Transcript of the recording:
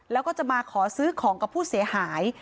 แล้วก็จะมาขอซื้อของกับผู้เสียหาย